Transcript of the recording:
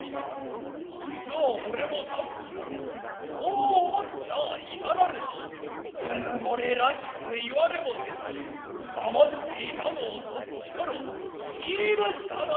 実は俺もさっきからそう思っちゃいたなれど自惚れらしく云われもせず黙って居たのをそっちから云い出したのは何より嬉しい。